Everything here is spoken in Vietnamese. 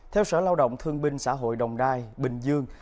theo sở lao động thương binh xã hội đồng nai bình dương